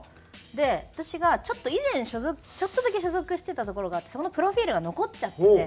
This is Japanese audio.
で私がちょっと以前ちょっとだけ所属してた所があってそのプロフィールが残っちゃってて。